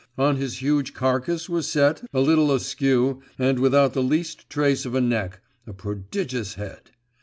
On his huge carcase was set, a little askew, and without the least trace of a neck, a prodigious head.